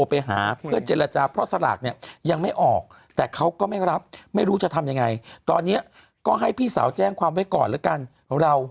เพื่อนเจรจาเพราะสลากเนี่ยยังไม่ออกแต่เขาก็ไม่รับไม่รู้จะทำยังไง